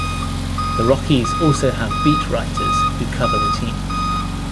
The Rockies also have beat writers who cover the team.